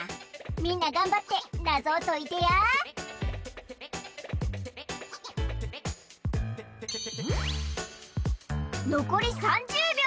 みんながんばってナゾをといてやのこり３０びょう。